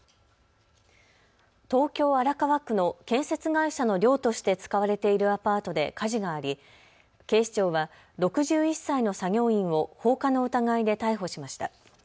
東京荒川区の建設会社の寮として使われているアパートで火事があり警視庁は６１歳の作業員を放火の疑いで逮捕しました。